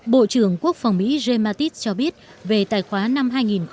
bộ trưởng quốc phòng mỹ james mattis cho biết về tài khoá năm hai nghìn một mươi bảy